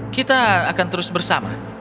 kita akan terus bersama